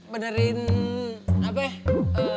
benerin apa ya